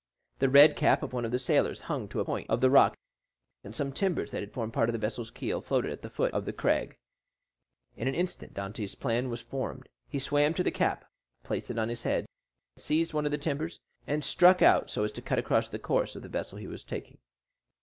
The red cap of one of the sailors hung to a point of the rock and some timbers that had formed part of the vessel's keel, floated at the foot of the crag. In an instant Dantès' plan was formed. He swam to the cap, placed it on his head, seized one of the timbers, and struck out so as to cut across the course the vessel was taking.